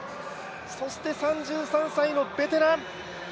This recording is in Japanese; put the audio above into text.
そして３３歳のベテラン。